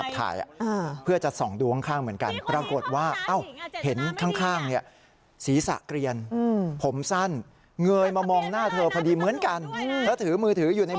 เธอก็เลยเตรียมมือถือไว้ถ่าย